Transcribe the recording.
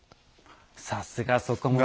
さすがそこも鋭い。